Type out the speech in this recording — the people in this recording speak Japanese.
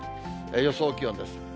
予想気温です。